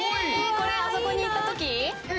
これあそこに行ったとき？